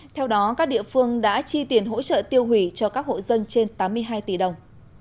theo đó các địa phương đã chi tiền hỗ trợ tiêu hủy cho các hộ dân trên tám mươi hai tỷ đồng